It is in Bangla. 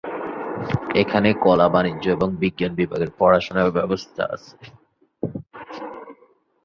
এখানে কলা, বাণিজ্য এবং বিজ্ঞান বিভাগের পড়াশোনার ব্যবস্থা আছে।